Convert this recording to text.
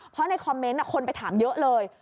เพราะในคอมเมนต์คนไปถามเยอะเลย